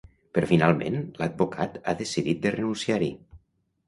Però finalment l’advocat ha decidit de renunciar-hi.